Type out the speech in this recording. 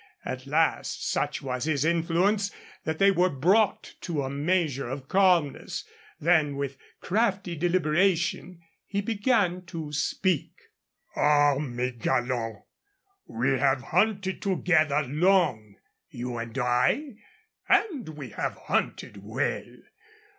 At last, such was his influence that they were brought to a measure of calmness. Then with crafty deliberation he began to speak. "Ah, mes galants, we have hunted together long, you and I, and we have hunted well.